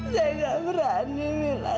saya gak berani mila